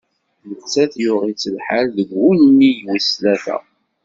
Nettat, yuɣ-itt lḥal deg wunnig wis-tlata.